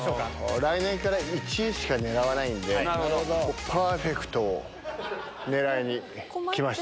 来年から１位しか狙わないんで、パーフェクトを狙いに来ました。